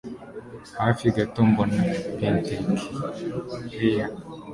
Hafi gato mbona Pentekileya